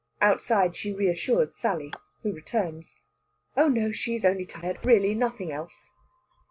Outside she reassures Sally, who returns. Oh no, she is only tired; really nothing else.